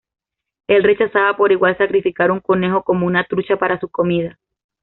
Él rechazaba por igual sacrificar un conejo como una trucha para su comida.